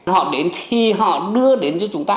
họ đến thì họ đưa đến cho chúng ta